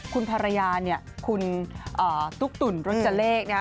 คุณภรรยาเนี่ยคุณตุ๊กตุ๋นรจเลขนะฮะ